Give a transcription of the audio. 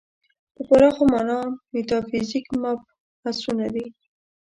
په پراخه معنا میتافیزیک مبحثونه دي.